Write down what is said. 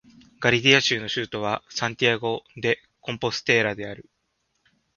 ガリシア州の州都はサンティアゴ・デ・コンポステーラである